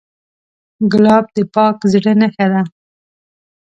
ګلاب د پاک زړه نښه ده.